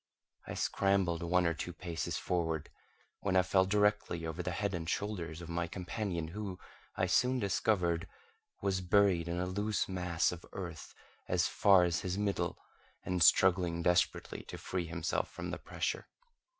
I scrambled one or two paces forward, when I fell directly over the head and shoulders of my companion, who, I soon discovered, was buried in a loose mass of earth as far as his middle, and struggling desperately to free himself from the pressure.